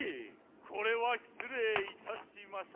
これはしつれいいたしました。